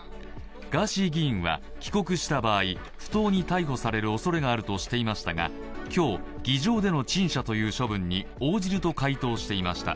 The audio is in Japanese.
ガーシー議員は帰国した場合、不当に逮捕されるおそれがあるとしていましたが今日、議場での陳謝という処分に応じると回答していました。